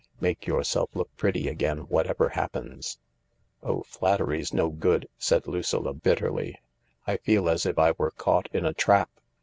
Make yourself look pretty again whatever happens." "Oh, flattery's no good," said Lucilla bitterly. "I feel as if I were caught in a trap."